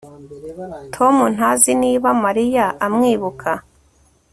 Tom ntazi niba Mariya amwibuka